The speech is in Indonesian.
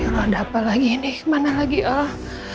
ya allah ada apa lagi nih kemana lagi ya allah